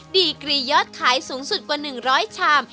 ดีกรียอดขายสูงสุดกว่า๑๐๐ชาม